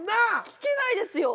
聞けないですよ。